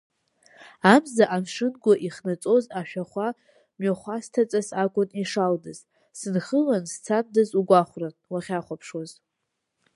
Амза амшынгәы ихнаҵоз ашәахәа мҩахәасҭаҵас акәын ишалдаз, сынхылан сцандаз угәахәрын уахьахәаԥшуаз.